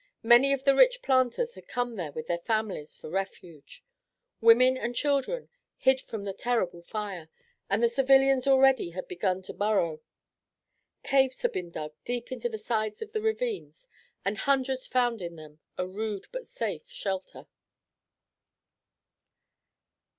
Many of the rich planters had come there with their families for refuge. Women and children hid from the terrible fire, and the civilians already had begun to burrow. Caves had been dug deep into the sides of the ravines and hundreds found in them a rude but safe shelter.